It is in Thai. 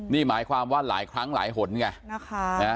นี่หมายความว่าหลายครั้งหลายหนไงนะคะ